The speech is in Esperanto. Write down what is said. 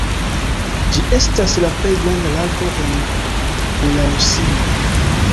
Ĝi estas la plej granda lago en Belarusio.